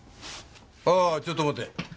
ああちょっと待て。